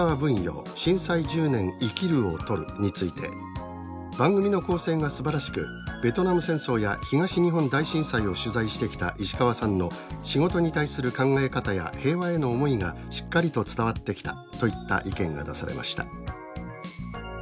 震災１０年“生きる”を撮る」について「番組の構成がすばらしくベトナム戦争や東日本大震災を取材してきた石川さんの仕事に対する考え方や平和への思いがしっかりと伝わってきた」といった意見が出されました。